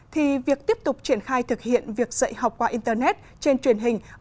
thì việc tiếp tục triển khai thực hiện việc dạy học qua internet trên truyền hình